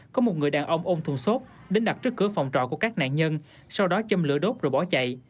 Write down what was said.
có một người đàn ông ôn thùng xốp đến đặt trước cửa phòng trọ của các nạn nhân sau đó châm lửa đốt rồi bỏ chạy